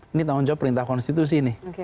ini tanggung jawab perintah konstitusi nih